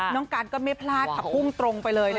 น้องการก็ไม่พลาดค่ะพุ่งตรงไปเลยนะคะ